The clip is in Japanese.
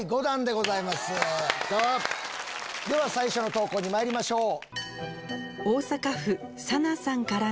では最初の投稿にまいりましょう。